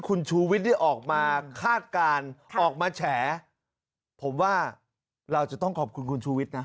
คุณชูวิทย์ได้ออกมาคาดการณ์ออกมาแฉผมว่าเราจะต้องขอบคุณคุณชูวิทย์นะ